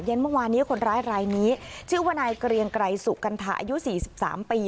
เมื่อวานนี้คนร้ายรายนี้ชื่อว่านายเกรียงไกรสุกัณฑาอายุ๔๓ปี